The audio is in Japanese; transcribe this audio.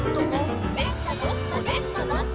「でこぼこでこぼこ」